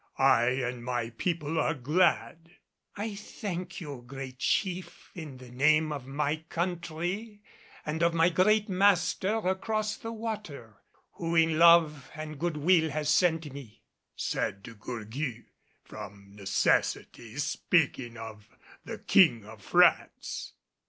I and my people are glad." "I thank you, great chief, in the name of my country and of my great master across the water, who in love and good will has sent me," said De Gourgues, from necessity speaking of the King of France.